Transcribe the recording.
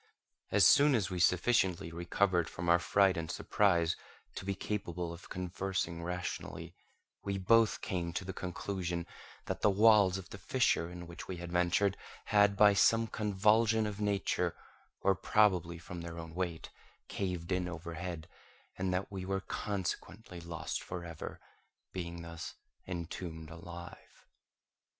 As soon as we sufficiently recovered from our fright and surprise to be capable of conversing rationally, we both came to the conclusion that the walls of the fissure in which we had ventured had, by some convulsion of nature, or probably from their own weight, caved in overhead, and that we were consequently lost for ever, being thus entombed alive.